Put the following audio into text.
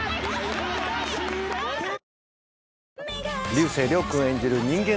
竜星涼君演じる人間